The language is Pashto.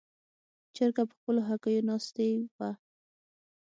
چرګه په خپلو هګیو ناستې وه.